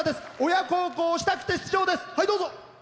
親孝行したくて出場です。